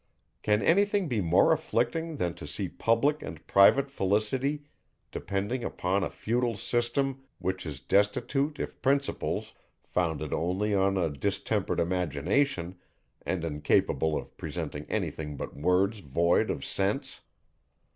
Can any thing be more afflicting, than to see public and private felicity depending upon a futile system, which is destitute if principles, founded only on a distempered imagination, and incapable of presenting any thing but words void of sense?